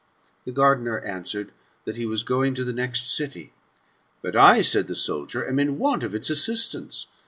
The gardener answered, That he was going to the next city. *' But I," said the soldier, '* am in want of its assistance.